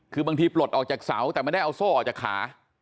คือบางทีปลดออกจากเสาแต่ไม่ได้เอาโซ่ออกจากขา